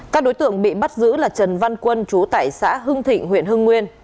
các đối tượng bị bắt giữ là trần văn quân chú tại xã hưng thịnh huyện hưng nguyên